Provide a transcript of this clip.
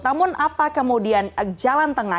namun apa kemudian jalan tengah